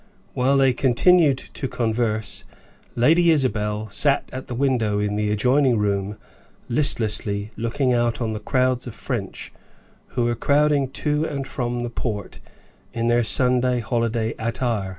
Whilst they continued to converse, Lady Isabel sat at the window in the adjoining room, listlessly looking out on the crowds of French who were crowding to and from the port in their Sunday holiday attire.